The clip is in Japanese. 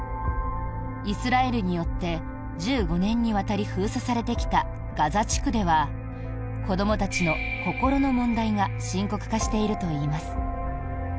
イスラエルによって１５年にわたり封鎖されてきたガザ地区では子どもたちの心の問題が深刻化しているといいます。